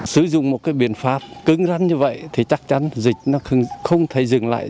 sử dụng một biện pháp cứng rắn như vậy thì chắc chắn dịch không thể dừng lại